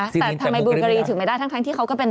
แต่ทำไมบุญกรีถึงไม่ได้ทั้งที่เขาก็เป็น